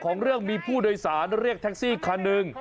เรื่องมีผู้โดยสารเรียกแท็กซี่คันหนึ่ง